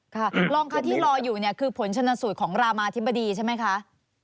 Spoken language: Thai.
ค่ะรองค่ะที่รออยู่เนี่ยคือผลชนสูตรของรามาธิบดีใช่ไหมคะ